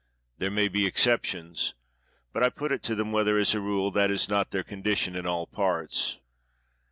There may be exceptions; but I put it to them whether, as a rule, that is not their con dition in all parts?